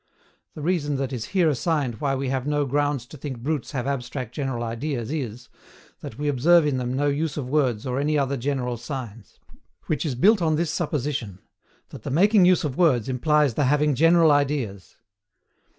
The reason that is here assigned why we have no grounds to think brutes have abstract general ideas is, that we observe in them no use of words or any other general signs; which is built on this supposition that the making use of words implies the having general ideas.